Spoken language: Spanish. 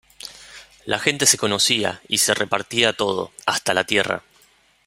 La gente se conocía y se repartía todo, hasta la tierra.